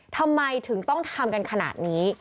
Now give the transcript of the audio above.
ทำไมถึงต้องทำกันขนาดนี้